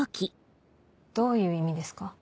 どういう意味ですか？